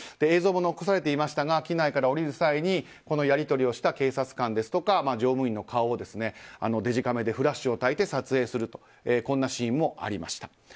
映像も残されていましたが機内から降りる際にこのやり取りをした警察官ですとか乗務員の顔をデジカメでフラッシュをたいて撮影するとこんなシーンもありました。